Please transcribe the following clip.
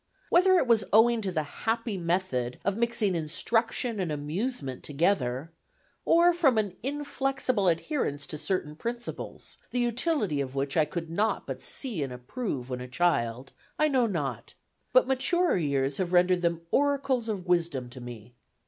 Whether it was owing to the happy method of mixing instruction and amusement together, or from an inflexible adherence to certain principles, the utility of which I could not but see and approve when a child, I know not; but maturer years have rendered them oracles of wisdom to me.